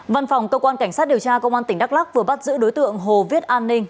văn phòng cơ quan cảnh sát điều tra công an tỉnh đắk lắc vừa bắt giữ đối tượng hồ viết an ninh